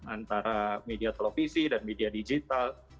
antara media televisi dan media digital